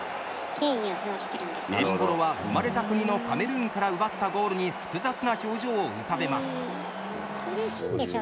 エンボロは生まれた国のカメルーンから奪ったゴールに複雑な表情を浮かべます。